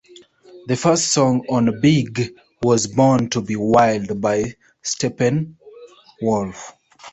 The first song on "Big" was "Born to Be Wild" by Steppenwolf.